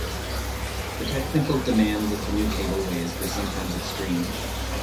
The technical demands of the new cableways were sometimes extreme.